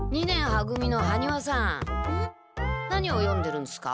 何を読んでるんすか？